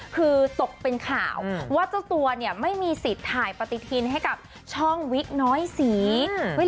คือตกเป็นข่าวว่าเจ้าตัวเนี่ยไม่มีสิทธิ์ถ่ายปฏิทินให้กับช่องวิกน้อยสี